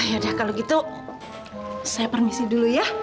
ah ya udah kalau gitu saya permisi dulu ya